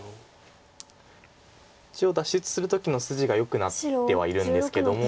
一応脱出する時の筋がよくなってはいるんですけども。